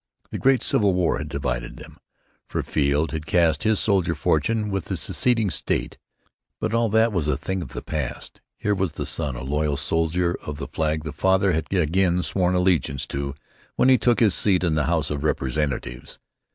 The great civil war had divided them, for Field had cast his soldier fortune with his seceding State, but all that was a thing of the past. Here was the son, a loyal soldier of the flag the father had again sworn allegiance to when he took his seat in the House of Representatives.